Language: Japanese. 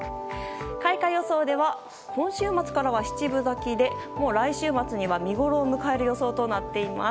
開花予想では今週末から７分咲きで来週末にはもう見ごろを迎える予想となっています。